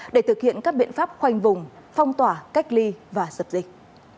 để thực hiện các biện pháp khoanh vùng phong tỏa cách ly và dập dịch